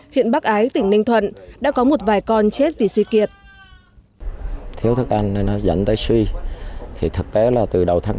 huyện bắc ái tỉnh ninh thuận đã có một vài con chết vì suy kiệt